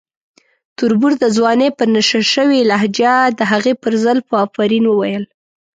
تربور د ځوانۍ په نشه شوې لهجه د هغې پر زلفو افرین وویل.